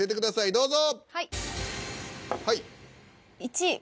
どうぞ。